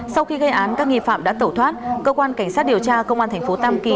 sau khi gây án các nghi phạm đã tẩu thoát cơ quan cảnh sát điều tra công an thành phố tam kỳ